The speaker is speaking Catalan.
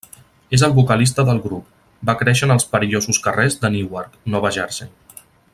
És el vocalista del grup, va créixer en els perillosos carrers de Newark, Nova Jersey.